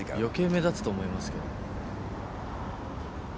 余計目立つと思いますけど。